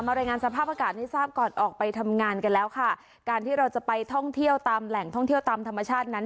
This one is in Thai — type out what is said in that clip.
รายงานสภาพอากาศให้ทราบก่อนออกไปทำงานกันแล้วค่ะการที่เราจะไปท่องเที่ยวตามแหล่งท่องเที่ยวตามธรรมชาตินั้น